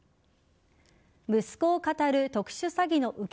息子をかたる特殊詐欺の受け